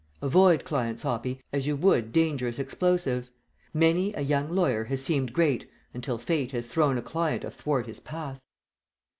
Avoid clients, Hoppy, as you would dangerous explosives. Many a young lawyer has seemed great until fate has thrown a client athwart his path."